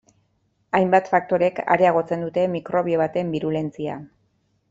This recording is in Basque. Hainbat faktorek areagotzen dute mikrobio baten birulentzia.